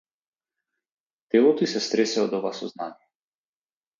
Телото ѝ се стресе од оваа сознание.